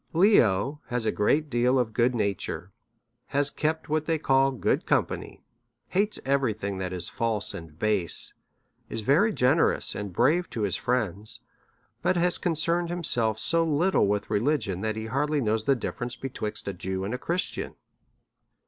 Leo has a great deal of good nature, has kept what they call good company, hates every thing that is false and base, is very generous and brave to his friend ; but has concerned himself so little with religion, that he hardly knows the difference betwixt a Jew and a Christian.